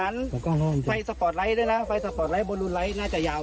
น้าไปดูหลานไหม